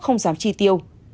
không dám tri tiêu